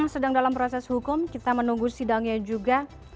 sedang dalam proses hukum kita menunggu sidangnya juga